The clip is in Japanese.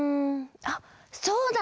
あっそうだ！